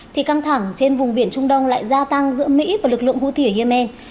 thì căng thẳng trên vùng biển trung đông lại gia tăng giữa mỹ và lực lượng houthi ở yemen